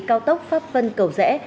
cao tốc pháp vân cầu rẽ